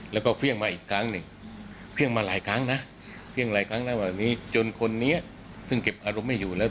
แล้วก็เพื่องมาอีกครั้งหนึ่งเพื่องมาหลายครั้งนะจนคนนี้เก็บอารมณ์ไม่อยู่แล้ว